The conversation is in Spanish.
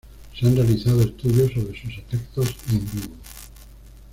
Se han realizado estudios sobre sus efectos in vivo.